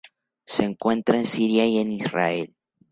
Se encuentra en Siria y en Israel.